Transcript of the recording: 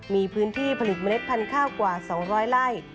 มีพื้นที่ผลิตเมล็ดพันธุ์ข้าวกว่า๒๐๐ไร่